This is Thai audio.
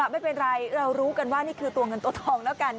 ไม่เป็นไรเรารู้กันว่านี่คือตัวเงินตัวทองแล้วกัน